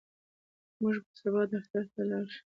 موږ به سبا دفتر ته لاړ شو.